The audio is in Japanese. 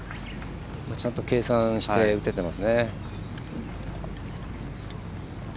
ちゃんと計算して打ててますね。